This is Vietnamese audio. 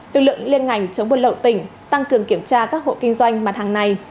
lực lượng liên ngành chống buôn lậu tỉnh tăng cường kiểm tra các hộ kinh doanh mặt hàng này